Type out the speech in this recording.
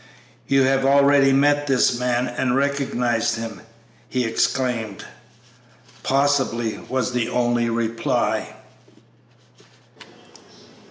"You have already met this man and recognized him!" he exclaimed. "Possibly!" was the only reply.